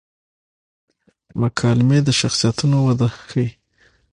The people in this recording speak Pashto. مکالمې د شخصیتونو وده ښيي.